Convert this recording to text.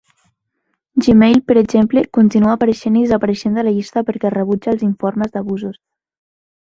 Gmail, per exemple, continua apareixent i desapareixent de la llista perquè rebutja els informes d'abusos.